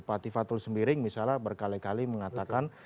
pak tifatul sembiring misalnya berkali kali mengatakan